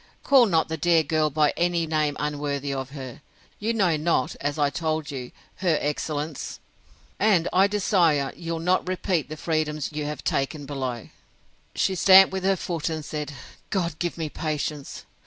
call not the dear girl by any name unworthy of her. You know not, as I told you, her excellence; and I desire you'll not repeat the freedoms you have taken below. She stamped with her foot, and said, God give me patience!